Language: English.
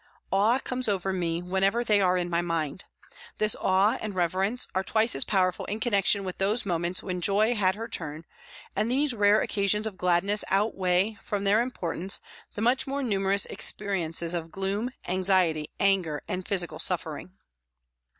Awe comes over me whenever they are in my mind ; this awe and reverence are twice as powerful in connection with those moments THE HOSPITAL 109 when joy had her turn, and these rare occasions of gladness outweigh from their importance the much more numerous experiences of gloom, anxiety, anger and physical suffering.